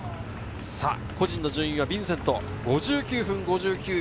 個人の順位はヴィンセント、５９分５９秒。